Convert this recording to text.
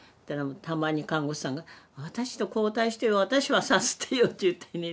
たまに看護師さんが「私と交代してよ私をさすってよ」って言ってね